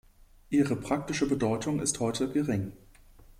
Ihre praktische Bedeutung ist heute gering.